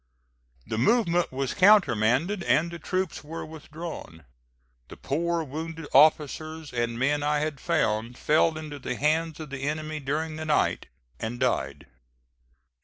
The movement was countermanded and the troops were withdrawn. The poor wounded officers and men I had found, fell into the hands of the enemy during the night, and died.